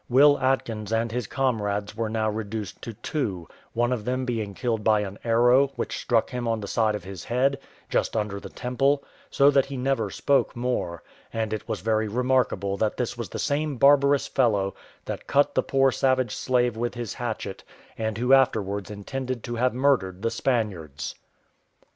Will Atkins and his comrades were now reduced to two; one of them being killed by an arrow, which struck him on the side of his head, just under the temple, so that he never spoke more; and it was very remarkable that this was the same barbarous fellow that cut the poor savage slave with his hatchet, and who afterwards intended to have murdered the Spaniards.